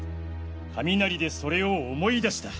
雷でそれを思い出した。